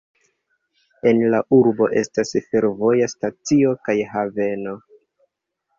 En la urbo estas fervoja stacio kaj haveno.